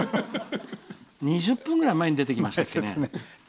２０分ぐらい前に出てきましたね。